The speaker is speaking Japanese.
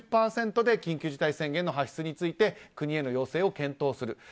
５０％で緊急事態宣言の発出について国への要請を検討する。